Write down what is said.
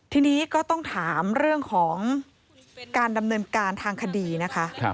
ทีนี้ก็ต้องถามเรื่องของการดำเนินการทางคดีนะคะ